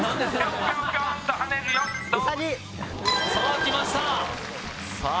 うさぎさあきましたさあ